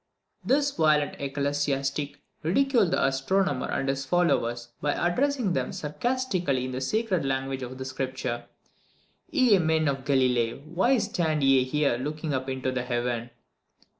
This violent ecclesiastic ridiculed the astronomer and his followers, by addressing them sarcastically in the sacred language of Scripture "Ye men of Galilee, why stand ye here looking up into heaven?"